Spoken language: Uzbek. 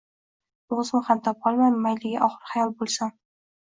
O’zimni ham topolmay, mayliga, oxir xayol bo’lsam.